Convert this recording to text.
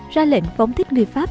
ra lệnh phóng thích người pháp